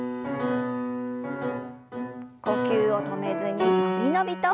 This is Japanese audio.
呼吸を止めずに伸び伸びと。